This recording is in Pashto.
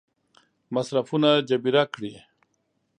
مصرفونه جبیره کړي.